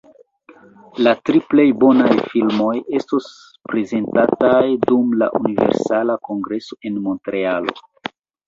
La tri plej bonaj filmoj estos prezentataj dum la Universala Kongreso en Montrealo.